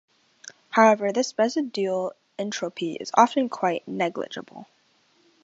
However this residual entropy is often quite negligible.